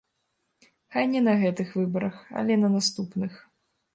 Хай не на гэтых выбарах, але на наступных.